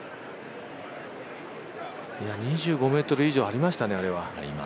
いや２５ｍ以上ありましたね、あれは。